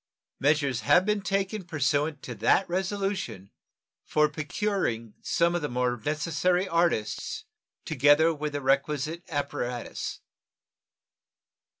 Measures have been taken pursuant to that resolution for procuring some of the most necessary artists, together with the requisite apparatus.